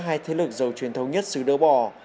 hai thế lực giàu truyền thống nhất xứ đỡ bò